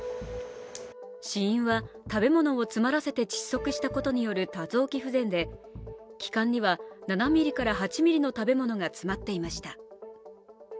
死因は食べ物を詰まらせて窒息したことによる多臓器不全で気管には７ｍｍから８ｍｍの食べ物が詰まっていました。